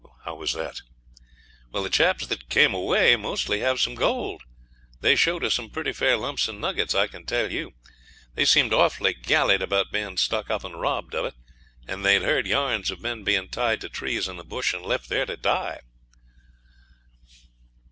'How was that?' 'Well, the chaps that come away mostly have some gold. They showed us some pretty fair lumps and nuggets, I can tell you. They seemed awfully gallied about being stuck up and robbed of it, and they'd heard yarns of men being tied to trees in the bush and left there to die.'